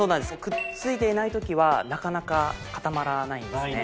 くっついていない時はなかなか固まらないんですね。